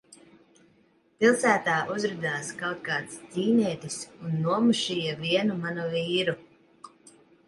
Pilsētā uzradās kaut kāds ķīnietis un nomušīja vienu manu vīru.